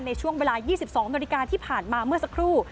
ในช่วงเวลา๒๒นาฬิกาที่ผ่านมาเมื่อสักครู่